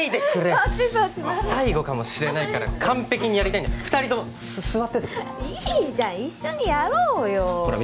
違うそっちそっち最後かもしれないから完璧にやりたいんだ二人とも座っててくれよいいじゃん一緒にやろうよほら